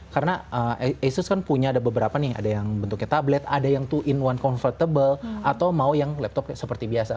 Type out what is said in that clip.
karena asus kan punya ada beberapa nih ada yang bentuknya tablet ada yang dua in satu convertible atau mau yang laptop seperti biasa